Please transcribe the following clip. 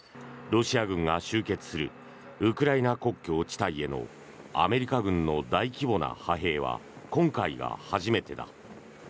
ロシア軍が集結するウクライナ国境地帯へのアメリカ軍の大規模な派兵は今回が初めてだ。